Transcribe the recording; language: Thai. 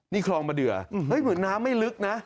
นี่คลองมะเดือเหมือนน้ำไม่ลึกนะ